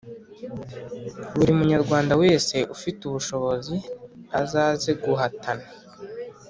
Buri munyarwanda wese ufite ubushobozi azaze guhatana